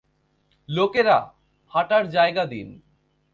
লোকেরা, হাঁটার জায়গা দিন।